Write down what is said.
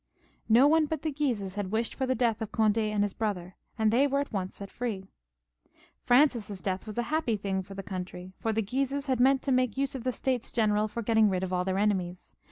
No one but the Guises had wished for the death of Cond^ and his brother, and they were at once both set free. Francis's death was a happy thing for the country, for the Guises had meant to make use of the States General for getting rid of aU their enemies.